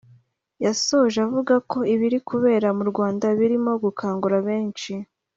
yasoje avuga ko ibiri kubera mu Rwanda birimo gukangura benshi